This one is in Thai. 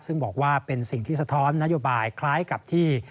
ซึ่งบอกว่าเป็นสิ่งที่สะท้อนนโยบายคล้ายกับที่